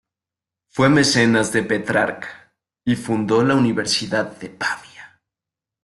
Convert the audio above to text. Fue mecenas de Petrarca, y fundó la Universidad de Pavía.